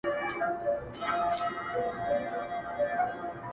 نه به شرنګ د توتکیو نه به رنګ د انارګل وي!